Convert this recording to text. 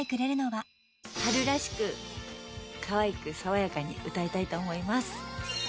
春らしくかわいく爽やかに歌いたいと思います。